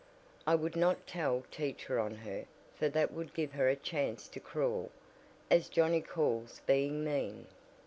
I would not tell teacher on her, for that would give her a chance to 'crawl,' as Johnnie calls being mean.